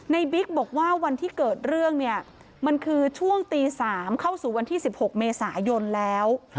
บิ๊กบอกว่าวันที่เกิดเรื่องเนี่ยมันคือช่วงตี๓เข้าสู่วันที่๑๖เมษายนแล้ว